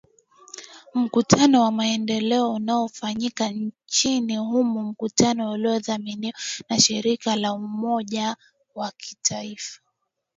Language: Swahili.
mkutano wa maendeleo unaofanyika nchini humo mkutano uliodhaminiwa na shirika la umoja wa mataifa